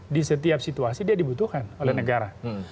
di setiap situasi dia dibutuhkan oleh negara